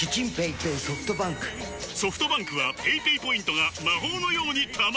ソフトバンクはペイペイポイントが魔法のように貯まる！